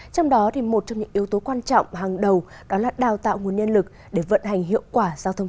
trong đó một trong những yếu tố quan trọng hàng đầu đó là đào tạo nguồn nhân lực để vận hành hiệu quả giao thông